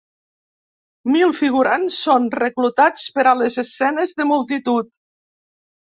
Mil figurants són reclutats per a les escenes de multitud.